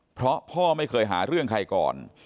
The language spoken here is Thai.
เพราะพ่อไม่เคยหาเรื่องใครก่อน